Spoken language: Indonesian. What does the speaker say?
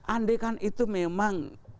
andai kan itu memang